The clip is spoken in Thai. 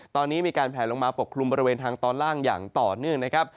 ตอนนี้มีการแผลลงมาปกคลุมบริเวณทางตอนล่างอย่างต่อเนื่องนะครับ